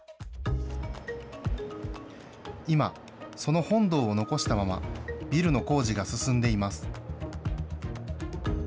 今、その本堂を残したまま、ビルの工事が進んでいます。